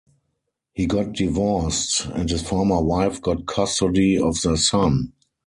He got divorced, and his former wife got custody of their son.